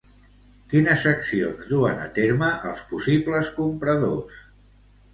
Quines accions duen a terme els possibles compradors?